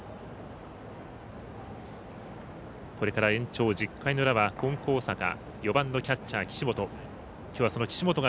これから延長１０回の裏は金光大阪、４番のキャッチャー岸本。